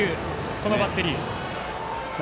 このバッテリー。